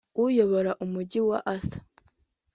uyobora Umujyi wa Ath